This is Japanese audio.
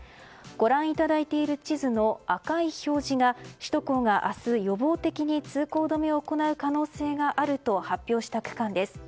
ご覧いただいている地図の赤い表示が、首都高が明日予防的に通行止めを行う可能性があると発表した区間です。